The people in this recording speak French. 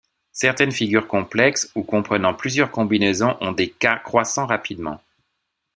Certaines figures complexes ou comprenant plusieurs combinaisons ont des K croissant rapidement.